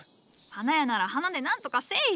花屋なら花で何とかせい！